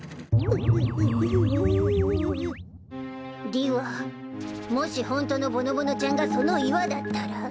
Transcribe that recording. でぃはもしホントのぼのぼのちゃんがその岩だったら？